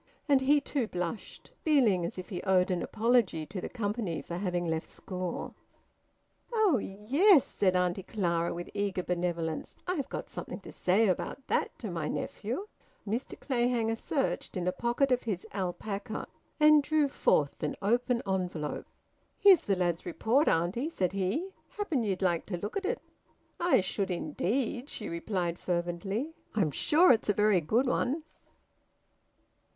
And he too blushed, feeling as if he owed an apology to the company for having left school. "Oh yes!" said Auntie Clara with eager benevolence. "I've got something to say about that to my nephew." Mr Clayhanger searched in a pocket of his alpaca, and drew forth an open envelope. "Here's the lad's report, auntie," said he. "Happen ye'd like to look at it." "I should indeed!" she replied fervently. "I'm sure it's a very good one."